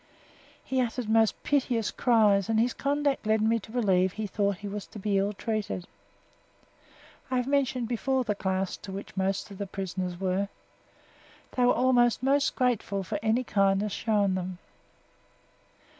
He uttered most piteous cries and his conduct led me to believe that he thought he was to be illtreated. I have mentioned before the class to which most of the prisoners were. They were always most grateful for any kindness shown them.